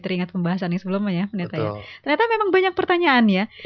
ternyata memang banyak pertanyaan ya